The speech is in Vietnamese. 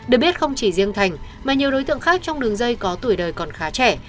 được biết không chỉ riêng thành mà nhiều đối tượng khác trong đường dây có tuổi đời còn khá trẻ